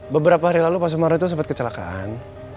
beberapa hari lalu pak sumaret itu sempat kecelakaan